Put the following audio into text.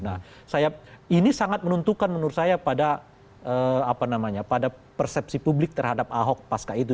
nah ini sangat menentukan menurut saya pada persepsi publik terhadap ahok pasca itu